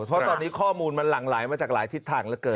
เพราะตอนนี้ข้อมูลมันหลั่งไหลมาจากหลายทิศทางเหลือเกิน